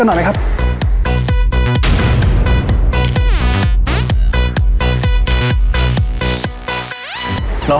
ไม่ต้องกลับมาที่นี่